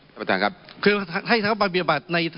คือให้ท่านประบิบัติในกรรมิการปปชปภิบัติทางนี้ทำอะไรนะครับ